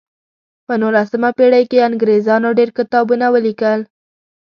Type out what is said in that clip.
په نولسمه پیړۍ کې انګریزانو ډیر کتابونه ولیکل.